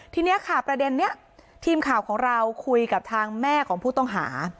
ทีนี้ค่ะประเด็นนี้ทีมข่าวของเราคุยกับทางแม่ของผู้ต้องหา